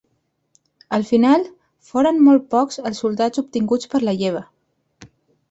Al final, foren molt pocs els soldats obtinguts per la lleva.